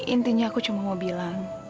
intinya aku cuma mau bilang